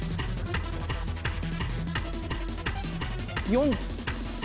４。